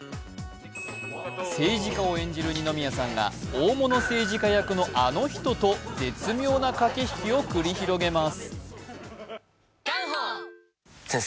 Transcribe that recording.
政治家を演じる二宮さんが大物政治家役のあの人と絶妙な駆け引きを繰り広げます。